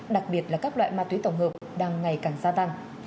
đặc biệt là các loại ma túy tổng hợp đang ngày càng gia tăng